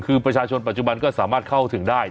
คือประชาชนปัจจุบันก็สามารถเข้าถึงได้